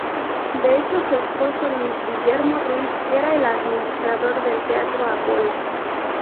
De hecho su esposo, Luis Guillermo Ruiz, era el administrador del teatro Apolo.